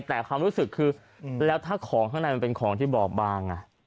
แต่ความรู้สึกคือแล้วถ้าของข้างในมันเป็นของที่บอบบาง